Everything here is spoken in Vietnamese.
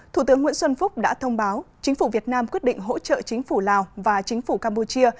thủ tướng nguyễn xuân phúc đã thông báo chính phủ việt nam quyết định hỗ trợ chính phủ lào và chính phủ campuchia